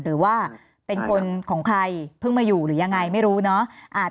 หรือว่าเป็นคนของใครเพิ่งมาอยู่หรือยังไงไม่รู้เนาะ